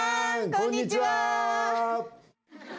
こんにちは。